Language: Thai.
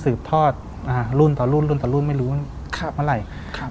สืบทอดอ่ารุ่นต่อรุ่นรุ่นต่อรุ่นไม่รู้ครับเมื่อไหร่ครับ